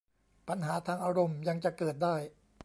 ปัญหาทางอารมณ์ยังจะเกิดได้